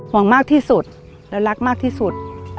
มากที่สุดและรักมากที่สุด